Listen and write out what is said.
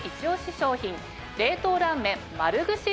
商品冷凍ラーメン。